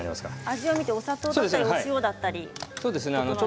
味を見てお砂糖だったりお塩だったり。